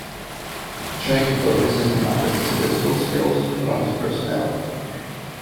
The training focuses on not just his physical skills but on his personality.